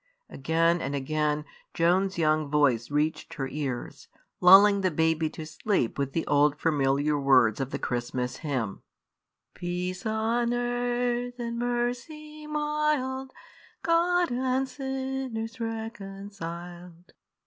Again and again Joan's young voice reached her ears, lulling the baby to sleep with the old, familiar words of the Christmas Hymn Peace on earth and mercy mild, God and sinners reconciled.